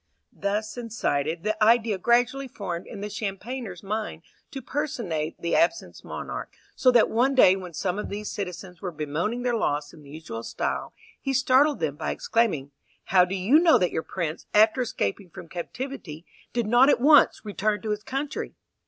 Thus incited, the idea gradually formed in the Champagner's mind to personate the absent monarch, so that one day when some of these citizens were bemoaning their loss in the usual style, he startled them by exclaiming, "How do you know that your prince, after escaping from captivity, did not at once return to his country?"